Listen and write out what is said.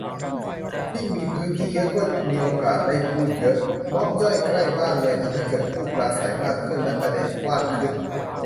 ยิ่งมีพื้นที่เยอะก็มีโอกาสได้พูดเยอะ ม็อบย่อยใกล้บ้านเลยทำให้เกิดผู้ปราศัยมากขึ้นและประเด็นกว้างขึ้น